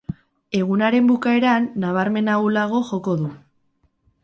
Egunaren bukaeran nabarmen ahulago joko du.